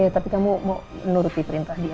tapi kamu mau menuruti perintah dia